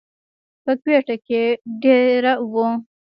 پۀ کوئټه کښې دېره وو،